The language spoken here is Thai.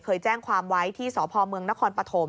เคยแจ้งความไว้ที่สพเมืองนครปฐม